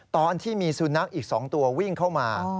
ตอนที่มีสุนัขอีก๒ตัววิ่งเข้ามา